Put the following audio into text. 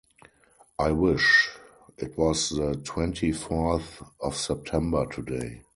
I wish it was the twenty-fourth of September today.